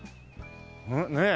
ねえ。